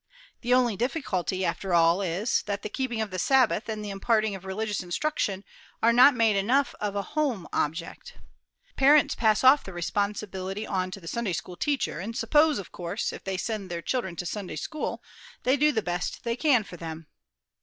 The only difficulty after all is, that the keeping of the Sabbath and the imparting of religious instruction are not made enough of a home object. Parents pass off the responsibility on to the Sunday school teacher, and suppose, of course, if they send their children to Sunday school, they do the best they can for them.